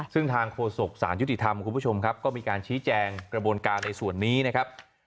ซึ่งทางโฆษกสารยุติธรรมคุณผู้ชมครับก็มีการชี้แจงกระบวนการในส่วนนี้นะครับ